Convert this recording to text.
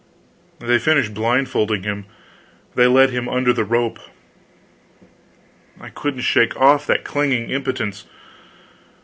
They finished blindfolding him, they led him under the rope. I couldn't shake off that clinging impotence.